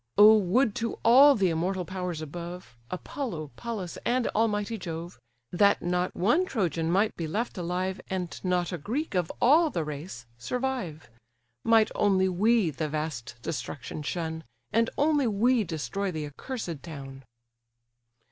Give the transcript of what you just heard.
O! would to all the immortal powers above, Apollo, Pallas, and almighty Jove! That not one Trojan might be left alive, And not a Greek of all the race survive: Might only we the vast destruction shun, And only we destroy the accursed town!"